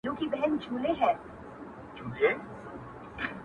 o څلوريځه.